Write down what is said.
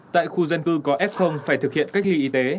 tại khu dân cư có f phải thực hiện cách ly y tế